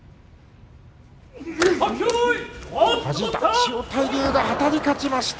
千代大龍があたり勝ちました。